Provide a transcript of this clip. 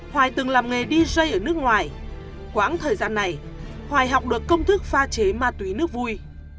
hoài từng làm nghề dj ở nước ngoài quãng thời gian này hoài học được công thức pha chế ma túy nước vui